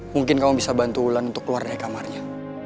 mungkin kamu bisa bantu wulan untuk keluar dari kamarnya